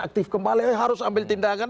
aktif kembali harus ambil tindakan